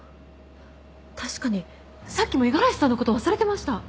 確かにさっきも五十嵐さんのこと忘れてました。